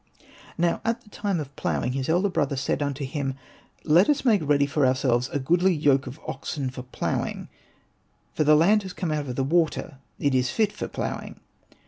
Now at the time of ploughing his elder brother said unto him, '' Let us make ready for ourselves a goodly yoke of oxen for ploughing, for the land has come out from th^jW Attr, Jt is fit for ploughing.